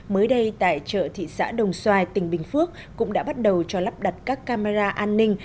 mới đây tại chợ thị xã đồng xoài tỉnh bình phước cũng đã bắt đầu cho lắp đặt các camera an ninh